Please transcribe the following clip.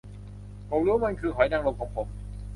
ผมรู้ว่ามันคือหอยนางรมของผม